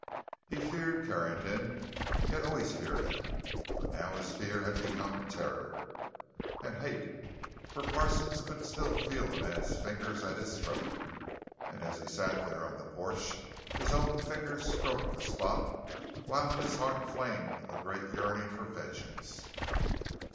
He feared Carrington; he had always feared him, but now his fear had become terror—and hate. For Parsons could still feel the man's fingers at his throat; and as he sat there on the porch his own fingers stroked the spot, while in his heart flamed a great yearning for vengeance.